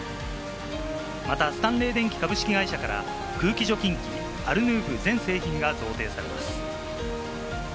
またスタンレー電気株式会社から空気除菌機・アルヌーブ全製品が贈呈されます。